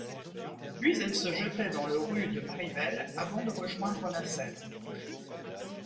Puis elle se jetait dans le ru de Marivel avant de rejoindre la Seine.